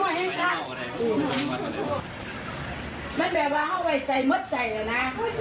ไว้ใจมัดไงอ่ะนะ